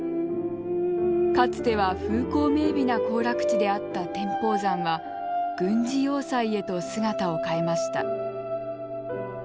かつては風光明媚な行楽地であった天保山は軍事要塞へと姿を変えました。